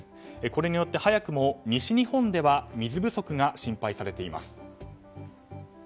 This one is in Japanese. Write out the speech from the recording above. これによって早くも西日本では水不足が心配されています。